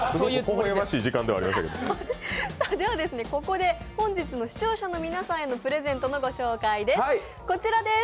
ここで本日の視聴者の皆さんへのプレゼントのご紹介です。